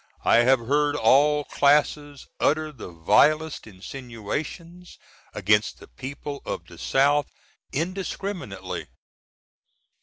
I have heard all classes utter the vilest insinuations against the people of the South indiscriminately.